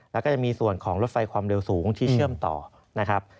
แล้วก็จะมีส่วนของรถไฟความเร็วสูงที่เชื่อมต่อนะครับ